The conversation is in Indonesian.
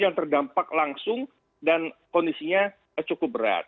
yang terdampak langsung dan kondisinya cukup berat